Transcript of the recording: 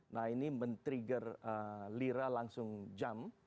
nah ini men trigger lira langsung jump